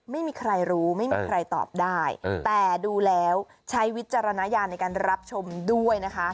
ไม่มีใครรู้ไม่มีใครตอบได้แต่ดูแล้วใช้วิจารณญาณในการรับชมด้วยนะคะ